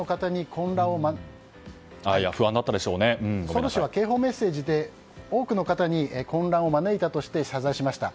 ソウル市は警報メッセージで多くの方に混乱を招いたとして謝罪しました。